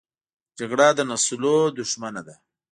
جګړه د نسلونو دښمنه ده